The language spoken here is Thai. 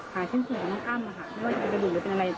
หาชิ้นสุดของน้องอ้ำมาหาไม่ว่าจะเป็นอะไร